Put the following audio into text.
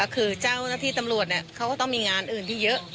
คือเจ้าหน้าที่ตำรวจเขาก็ต้องมีงานอื่นที่เยอะ